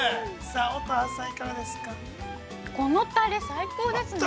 さあ乙葉さん、いかがですか。